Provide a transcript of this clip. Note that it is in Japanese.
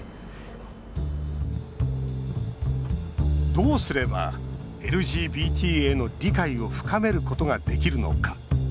どうすればＬＧＢＴへの理解を深めることができるのか。